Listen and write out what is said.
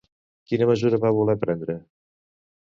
Quina mesura van voler prendre?